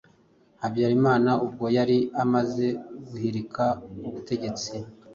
Habyarimana ubwo yari amaze guhirika ubutegetsi